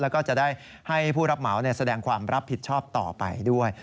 แล้วก็จะได้ให้ผู้รับเหมาแสดงความรับผิดชอบต่อไปด้วย